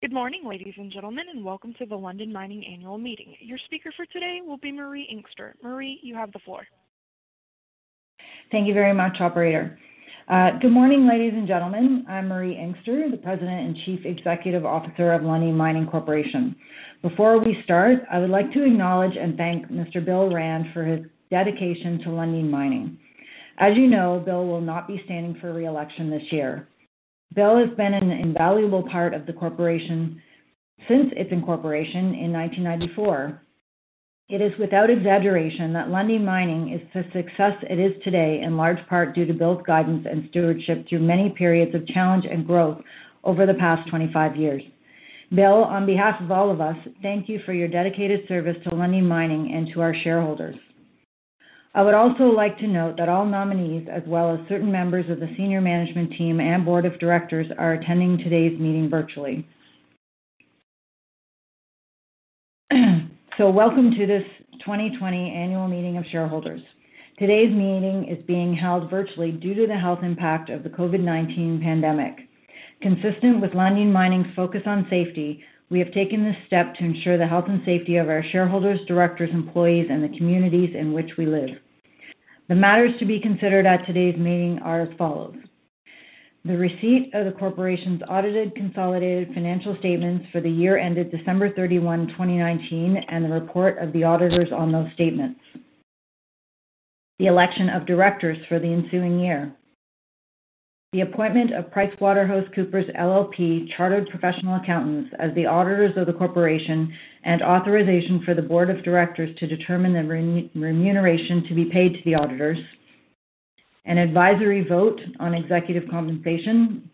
Good morning, ladies and gentlemen, and welcome to the Lundin Mining Annual Meeting. Your speaker for today will be Marie Inkster. Marie, you have the floor. Thank you very much, Operator. Good morning, ladies and gentlemen. I'm Marie Inkster, the President and Chief Executive Officer of Lundin Mining Corporation. Before we start, I would like to acknowledge and thank Mr. Bill Rand for his dedication to Lundin Mining. As you know, Bill will not be standing for re-election this year. Bill has been an invaluable part of the corporation since its incorporation in 1994. It is without exaggeration that Lundin Mining is the success it is today, in large part due to Bill's guidance and stewardship through many periods of challenge and growth over the past 25 years. Bill, on behalf of all of us, thank you for your dedicated service to Lundin Mining and to our shareholders. I would also like to note that all nominees, as well as certain members of the senior management team and board of directors, are attending today's meeting virtually. Welcome to this 2020 Annual Meeting of Shareholders. Today's meeting is being held virtually due to the health impact of the COVID-19 pandemic. Consistent with Lundin Mining's focus on safety, we have taken this step to ensure the health and safety of our shareholders, directors, employees, and the communities in which we live. The matters to be considered at today's meeting are as follows: the receipt of the corporation's audited, consolidated financial statements for the year ended December 31, 2019, and the report of the auditors on those statements, the election of directors for the ensuing year, the appointment of PricewaterhouseCoopers LLP Chartered Professional Accountants as the auditors of the corporation, and authorization for the board of directors to determine the remuneration to be paid to the auditors, an advisory vote on executive compensation,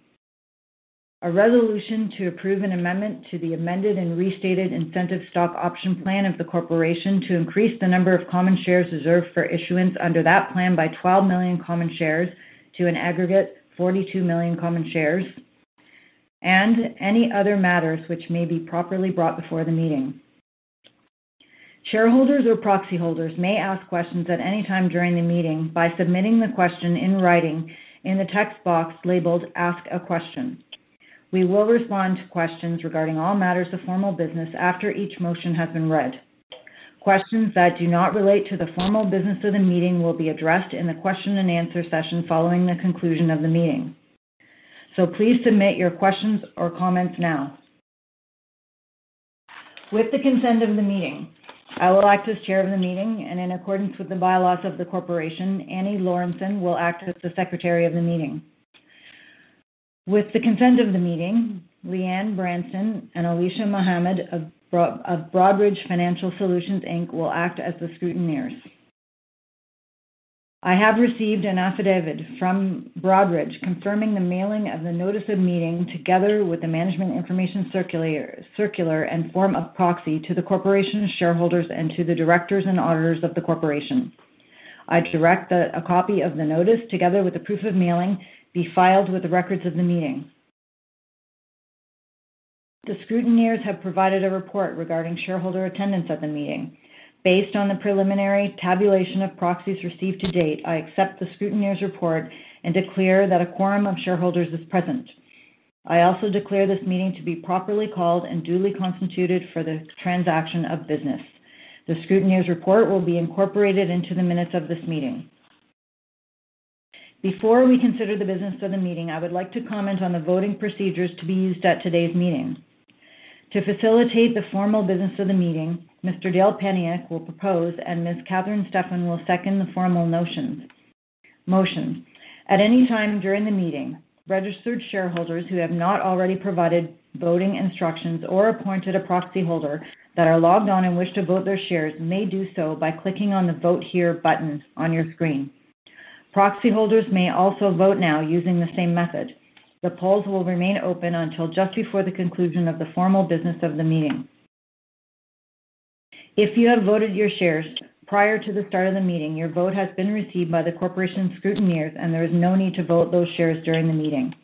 a resolution to approve an amendment to the amended and restated incentive stock option plan of the corporation to increase the number of common shares reserved for issuance under that plan by 12 million common shares to an aggregate of 42 million common shares, and any other matters which may be properly brought before the meeting. Shareholders or proxy holders may ask questions at any time during the meeting by submitting the question in writing in the text box labeled "Ask a Question." We will respond to questions regarding all matters of formal business after each motion has been read. Questions that do not relate to the formal business of the meeting will be addressed in the question and answer session following the conclusion of the meeting. Please submit your questions or comments now. With the consent of the meeting, I will act as Chair of the Meeting, and in accordance with the bylaws of the corporation, Annie Laurenson will act as the Secretary of the Meeting. With the consent of the meeting, Leanne Branston and Alicia Mohammed of Broadridge Financial Solutions will act as the scrutineers. I have received an affidavit from Broadridge confirming the mailing of the notice of meeting together with the management information circular and form of proxy to the corporation's shareholders and to the directors and auditors of the corporation. I direct that a copy of the notice, together with a proof of mailing, be filed with the records of the meeting. The scrutineers have provided a report regarding shareholder attendance at the meeting. Based on the preliminary tabulation of proxies received to date, I accept the scrutineer's report and declare that a quorum of shareholders is present. I also declare this meeting to be properly called and duly constituted for the transaction of business. The scrutineer's report will be incorporated into the minutes of this meeting. Before we consider the business of the meeting, I would like to comment on the voting procedures to be used at today's meeting. To facilitate the formal business of the meeting, Mr. Dale Peniuk will propose, and Ms. Catherine Stefan will second the formal motions. At any time during the meeting, registered shareholders who have not already provided voting instructions or appointed a proxy holder that are logged on and wish to vote their shares may do so by clicking on the "Vote Here" button on your screen. Proxy holders may also vote now using the same method. The polls will remain open until just before the conclusion of the formal business of the meeting. If you have voted your shares prior to the start of the meeting, your vote has been received by the corporation's scrutineers, and there is no need to vote those shares during the meeting.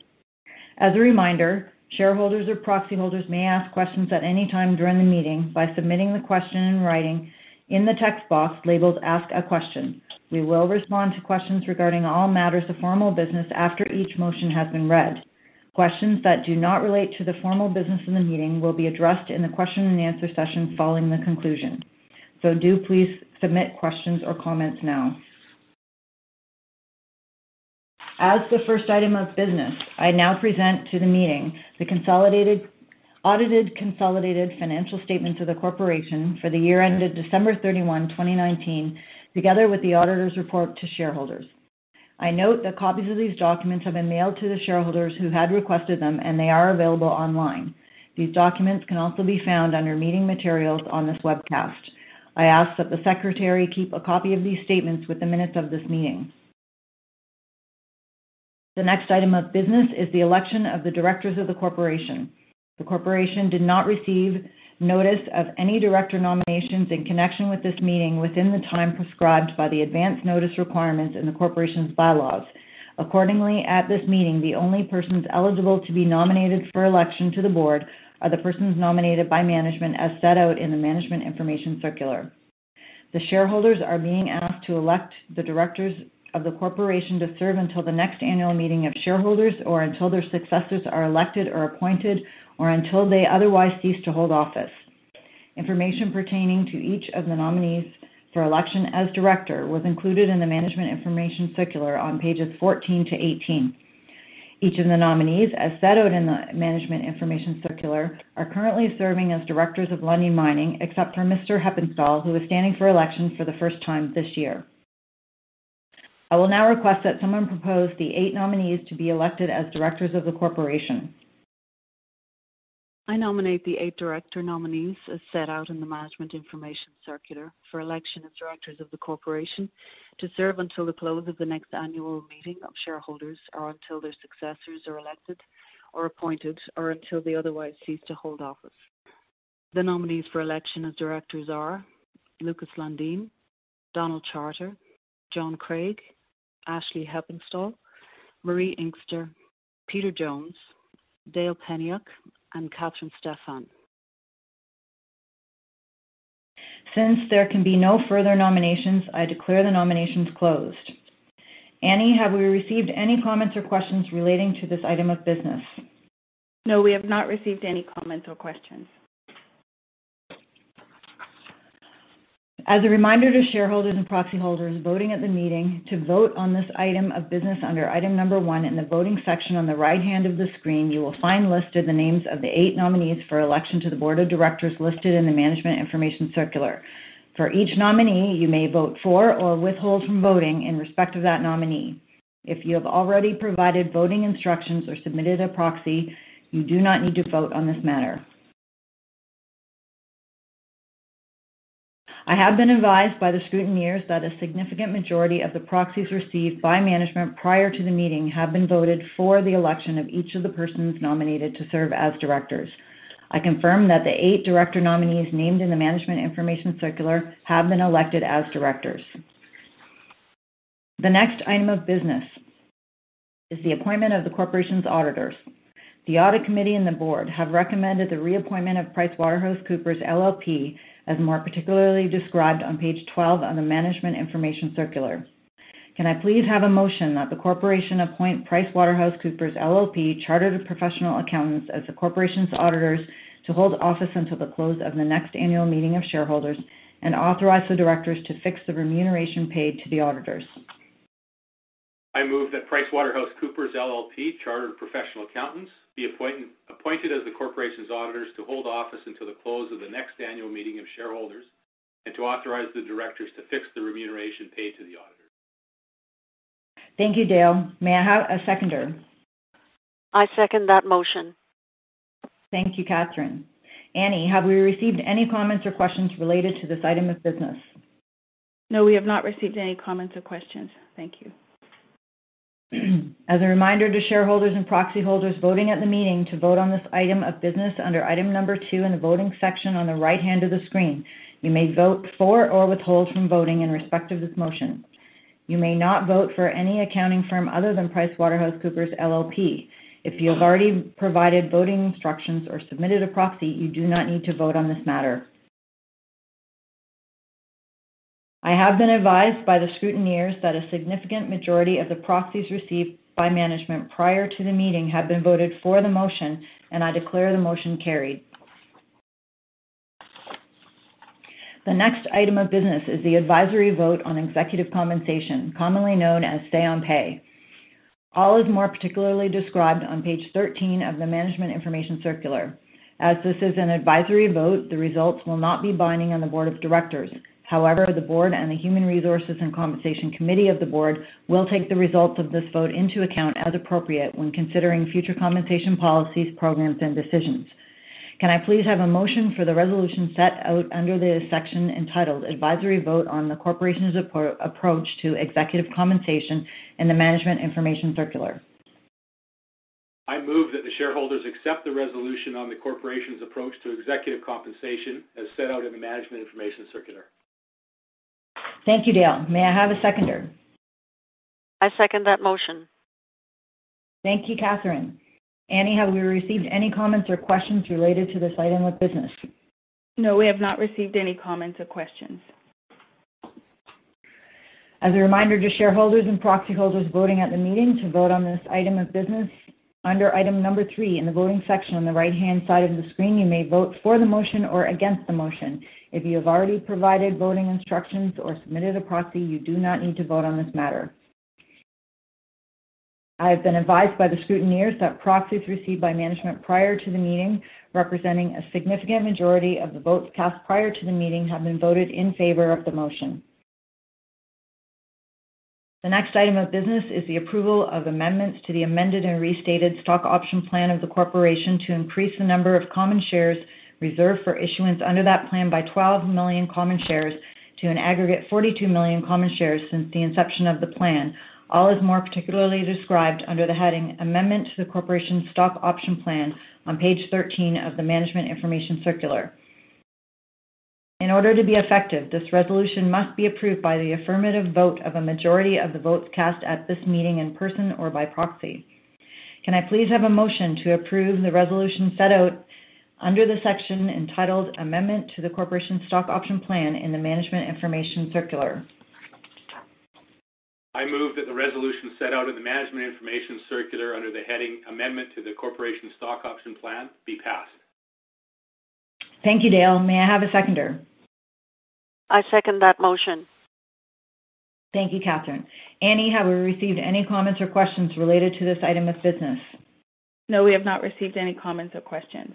As a reminder, shareholders or proxy holders may ask questions at any time during the meeting by submitting the question in writing in the text box labeled "Ask a Question." We will respond to questions regarding all matters of formal business after each motion has been read. Questions that do not relate to the formal business of the meeting will be addressed in the question and answer session following the conclusion. Please submit questions or comments now. As the first item of business, I now present to the meeting the audited, consolidated financial statements of the corporation for the year ended December 31, 2019, together with the auditor's report to shareholders. I note that copies of these documents have been mailed to the shareholders who had requested them, and they are available online. These documents can also be found under meeting materials on this webcast. I ask that the Secretary keep a copy of these statements with the minutes of this meeting. The next item of business is the election of the directors of the corporation. The corporation did not receive notice of any director nominations in connection with this meeting within the time prescribed by the advance notice requirements in the corporation's bylaws. Accordingly, at this meeting, the only persons eligible to be nominated for election to the board are the persons nominated by management as set out in the management information circular. The shareholders are being asked to elect the directors of the corporation to serve until the next annual meeting of shareholders or until their successors are elected or appointed or until they otherwise cease to hold office. Information pertaining to each of the nominees for election as director was included in the management information circular on pages 14 to 18. Each of the nominees, as set out in the management information circular, are currently serving as directors of Lundin Mining, except for Mr. Heppenstall, who is standing for election for the first time this year. I will now request that someone propose the eight nominees to be elected as directors of the corporation. I nominate the eight director nominees, as set out in the management information circular, for election as directors of the corporation to serve until the close of the next annual meeting of shareholders or until their successors are elected or appointed or until they otherwise cease to hold office. The nominees for election as directors are Lukas Lundin, Donald Charter, John Craig, Ashley Heppenstall, Marie Inkster, Peter Jones, Dale Peniuk, and Catherine Stefan. Since there can be no further nominations, I declare the nominations closed. Annie, have we received any comments or questions relating to this item of business? No, we have not received any comments or questions. As a reminder to shareholders and proxy holders voting at the meeting, to vote on this item of business under item number one in the voting section on the right hand of the screen, you will find listed the names of the eight nominees for election to the board of directors listed in the management information circular. For each nominee, you may vote for or withhold from voting in respect of that nominee. If you have already provided voting instructions or submitted a proxy, you do not need to vote on this matter. I have been advised by the scrutineers that a significant majority of the proxies received by management prior to the meeting have been voted for the election of each of the persons nominated to serve as directors. I confirm that the eight director nominees named in the management information circular have been elected as directors. The next item of business is the appointment of the corporation's auditors. The audit committee and the board have recommended the reappointment of PricewaterhouseCoopers LLP, as more particularly described on page 12 of the management information circular. Can I please have a motion that the corporation appoint PricewaterhouseCoopers LLP Chartered Professional Accountants as the corporation's auditors to hold office until the close of the next annual meeting of shareholders and authorize the directors to fix the remuneration paid to the auditors? I move that PricewaterhouseCoopers LLP Chartered Professional Accountants be appointed as the corporation's auditors to hold office until the close of the next annual meeting of shareholders and to authorize the directors to fix the remuneration paid to the auditors. Thank you, Dale. May I have a seconder? I second that motion. Thank you, Catherine. Annie, have we received any comments or questions related to this item of business? No, we have not received any comments or questions. Thank you. As a reminder to shareholders and proxy holders voting at the meeting to vote on this item of business under item number two in the voting section on the right hand of the screen, you may vote for or withhold from voting in respect of this motion. You may not vote for any accounting firm other than PricewaterhouseCoopers LLP. If you have already provided voting instructions or submitted a proxy, you do not need to vote on this matter. I have been advised by the scrutineers that a significant majority of the proxies received by management prior to the meeting have been voted for the motion, and I declare the motion carried. The next item of business is the advisory vote on executive compensation, commonly known as say-on-pay. All is more particularly described on page 13 of the management information circular. As this is an advisory vote, the results will not be binding on the board of directors. However, the board and the Human Resources and Compensation Committee of the board will take the results of this vote into account as appropriate when considering future compensation policies, programs, and decisions. Can I please have a motion for the resolution set out under the section entitled "Advisory Vote on the Corporation's Approach to Executive Compensation" in the management information circular? I move that the shareholders accept the resolution on the corporation's approach to executive compensation as set out in the management information circular. Thank you, Dale. May I have a seconder? I second that motion. Thank you, Catherine. Annie, have we received any comments or questions related to this item of business? No, we have not received any comments or questions. As a reminder to shareholders and proxy holders voting at the meeting to vote on this item of business, under item number three in the voting section on the right hand side of the screen, you may vote for the motion or against the motion. If you have already provided voting instructions or submitted a proxy, you do not need to vote on this matter. I have been advised by the scrutineers that proxies received by management prior to the meeting representing a significant majority of the votes cast prior to the meeting have been voted in favor of the motion. The next item of business is the approval of amendments to the amended and restated stock option plan of the corporation to increase the number of common shares reserved for issuance under that plan by $12 million common shares to an aggregate of $42 million common shares since the inception of the plan. All is more particularly described under the heading "Amendment to the Corporation Stock Option Plan" on page 13 of the management information circular. In order to be effective, this resolution must be approved by the affirmative vote of a majority of the votes cast at this meeting in person or by proxy. Can I please have a motion to approve the resolution set out under the section entitled "Amendment to the Corporation Stock Option Plan" in the management information circular? I move that the resolution set out in the management information circular under the heading "Amendment to the Corporation Stock Option Plan" be passed. Thank you, Dale. May I have a seconder? I second that motion. Thank you, Catherine. Annie, have we received any comments or questions related to this item of business? No, we have not received any comments or questions.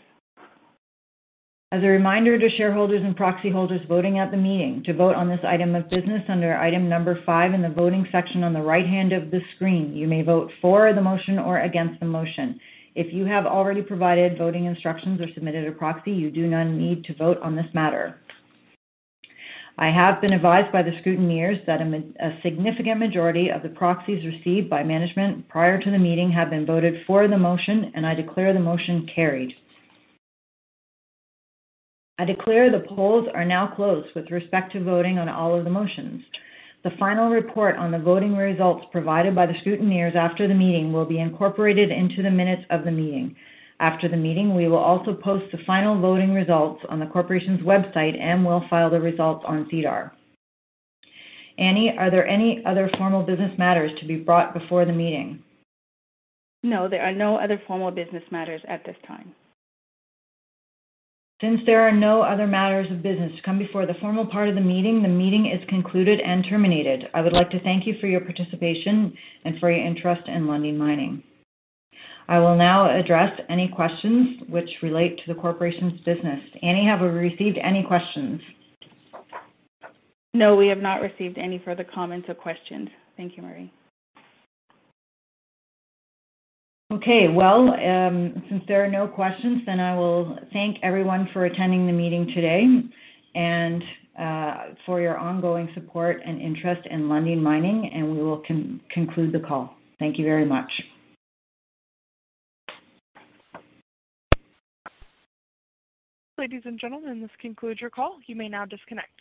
As a reminder to shareholders and proxy holders voting at the meeting to vote on this item of business, under item number five in the voting section on the right hand of the screen, you may vote for the motion or against the motion. If you have already provided voting instructions or submitted a proxy, you do not need to vote on this matter. I have been advised by the scrutineers that a significant majority of the proxies received by management prior to the meeting have been voted for the motion, and I declare the motion carried. I declare the polls are now closed with respect to voting on all of the motions. The final report on the voting results provided by the scrutineers after the meeting will be incorporated into the minutes of the meeting. After the meeting, we will also post the final voting results on the corporation's website and will file the results on SEDAR. Annie, are there any other formal business matters to be brought before the meeting? No, there are no other formal business matters at this time. Since there are no other matters of business to come before the formal part of the meeting, the meeting is concluded and terminated. I would like to thank you for your participation and for your interest in Lundin Mining. I will now address any questions which relate to the corporation's business. Annie, have we received any questions? No, we have not received any further comments or questions. Thank you, Marie. Okay. Since there are no questions, I will thank everyone for attending the meeting today and for your ongoing support and interest in Lundin Mining, and we will conclude the call. Thank you very much. Ladies and gentlemen, this concludes your call. You may now disconnect.